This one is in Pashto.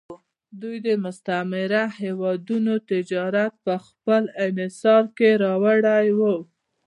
دوی د مستعمره هېوادونو تجارت په خپل انحصار کې راوړی و